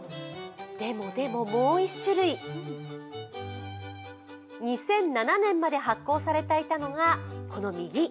でもでももう一種類、２００７年まで発行されていたのが右。